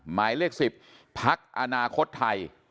หมายเลข๑๐พักอนาคตไทย